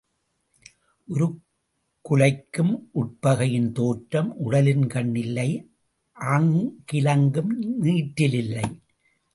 உருக்குலைக்கும் உட்பகையின் தோற்றம் உடலின்கண் இல்லை, ஆங்கிலங்கும் நீற்றிலில்லை.